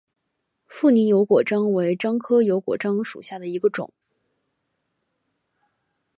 富宁油果樟为樟科油果樟属下的一个种。